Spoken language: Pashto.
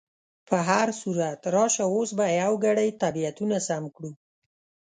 په هر صورت، راشه اوس به یو ګړی طبیعتونه سم کړو.